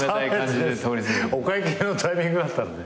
お会計のタイミングだったので。